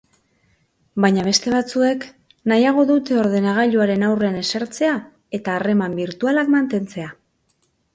Baina beste batzuek nahiago dute ordenagailuaren aurrean esertzea eta harreman birtualak mantentzea.